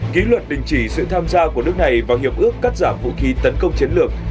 ký luật đình chỉ sự tham gia của nước này vào hiệp ước cắt giảm vũ khí tấn công chiến lược